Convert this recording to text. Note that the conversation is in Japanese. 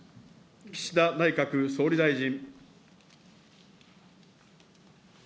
岸田内閣総理大臣。